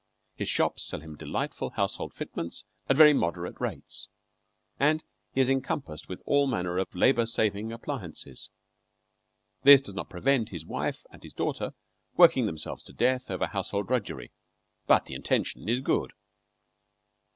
His shops sell him delightful household fitments at very moderate rates, and he is encompassed with all manner of labor saving appliances. This does not prevent his wife and his daughter working themselves to death over household drudgery; but the intention is good.